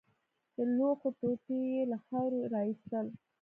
د لوښو ټوټې يې له خاورو راايستل.